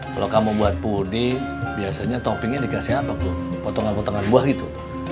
kalau kamu buat puding biasanya toppingnya dikasih apa pak ustadz potongan potongan buah gitu